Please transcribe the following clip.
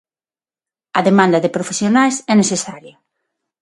A demanda de profesionais é necesaria.